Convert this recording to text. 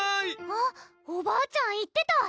あっおばあちゃん言ってた！